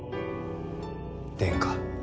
殿下。